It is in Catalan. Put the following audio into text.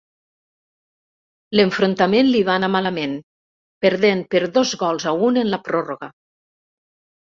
L'enfrontament li va anar malament, perdent per dos gols a un en la pròrroga.